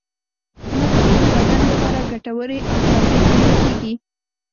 مستې د بدن لپاره ګټورې او تازې ګڼل کېږي.